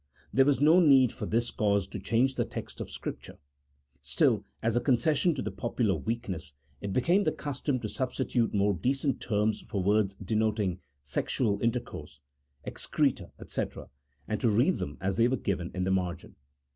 There was no need for this cause to change the text of Scripture. Still, as a concession to the popular weakness, it became the custom to substitute more decent terms for words denoting sexual intercourse, excreta, &c, and to read them as they were given in the margin.